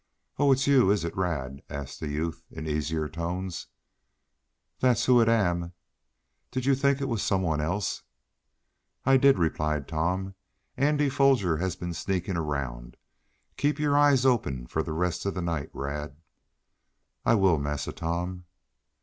"Oh! It's you, is it, Rad?" asked the youth in easier tones. "Dat's who it am. Did yo' t'ink it were some un else?" "I did," replied Tom. "Andy Foger has been sneaking around. Keep your eyes open the rest of the night, Rad." "I will, Massa Tom."